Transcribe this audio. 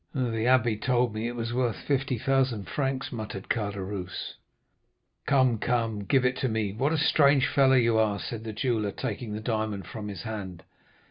"'The abbé told me it was worth 50,000 francs,' muttered Caderousse. "'Come, come—give it to me! What a strange fellow you are,' said the jeweller, taking the diamond from his hand.